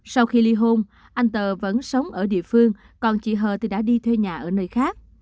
sau khi ly hôn anh tờ vẫn sống ở địa phương còn chị hờ thì đã đi thuê nhà ở nơi khác